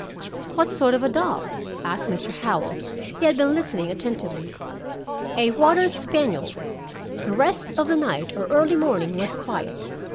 '" "What sort of a dog?" asked Mr. Howell. He had been listening attentively. "A water spaniel. 'The rest of the night, or early morning, was quiet.